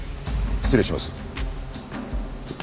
失礼します。